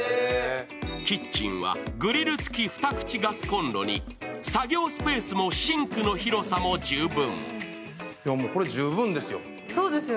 キッチンはグリル付き２口ガスコンロに作業スペースもシンクの広さも十分。